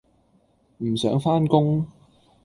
唔想返工